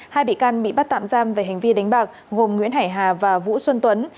hai bị can bị bắt tạm giam về hành vi đánh bạc gồm nguyễn hải hà và vũ xuân tuấn